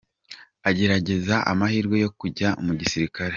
Agerageza amahirwe yo kujya mu gisirikare.